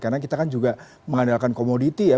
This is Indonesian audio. karena kita kan juga mengandalkan komoditi ya